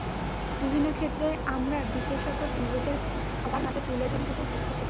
বিভিন্ন ক্ষেত্রেই আমরা বিশেষত তরুণেরা নিজেদের সবার মাঝে তুলে ধরছি, প্রশংসিত হচ্ছি।